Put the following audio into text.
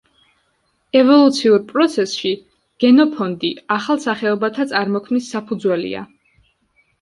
ევოლუციურ პროცესში გენოფონდი ახალ სახეობათა წარმოქმნის საფუძველია.